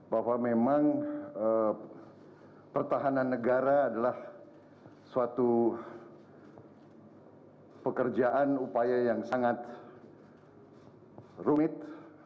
bahwa memang pertahanan negara adalah suatu pekerjaan upaya yang sangat rumit